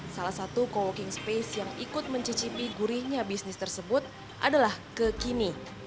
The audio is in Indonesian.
salah satu co working space yang ikut mencicipi gurihnya bisnis tersebut adalah kekini